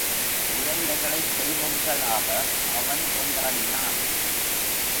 குழந்தைகளைத் தெய்வங்களாக அவன் கொண்டாடினான்.